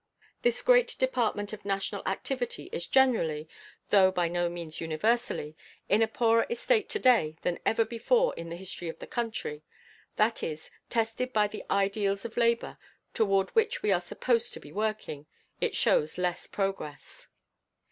This great department of national activity is generally (though by no means universally) in a poorer estate to day than ever before in the history of the country; that is, tested by the ideals of labor toward which we are supposed to be working, it shows less progress.